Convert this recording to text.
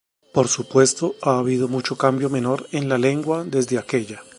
Por supuesto, ha habido mucho cambio menor en la lengua desde aquella.